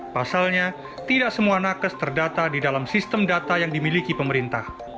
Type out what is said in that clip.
pasalnya tidak semua nakes terdata di dalam sistem data yang dimiliki pemerintah